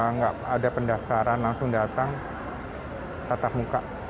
nggak ada pendaftaran langsung datang tatap muka